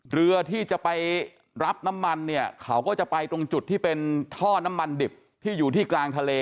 เรือที่จะไปรับน้ำมันเนี่ยเขาก็จะไปตรงจุดที่เป็นท่อน้ำมันดิบที่อยู่ที่กลางทะเล